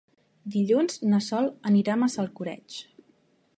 Dilluns na Sol anirà a Massalcoreig.